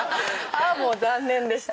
ああもう残念でした。